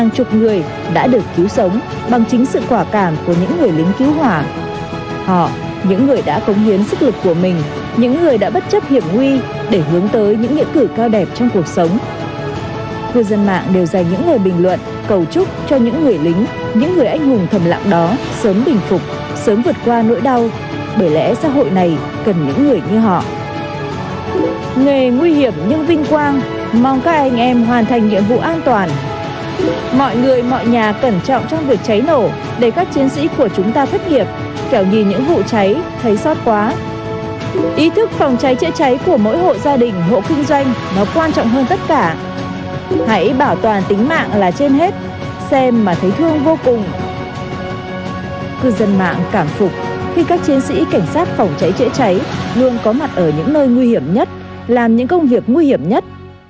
cư dân mạng cảm phục khi các chiến sĩ cảnh sát phòng cháy chữa cháy luôn có mặt ở những nơi nguy hiểm nhất làm những công việc nguy hiểm nhất